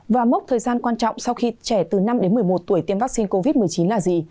và mốc thời gian quan trọng sau khi trẻ từ năm đến một mươi một tuổi tiêm vaccine covid một mươi chín là gì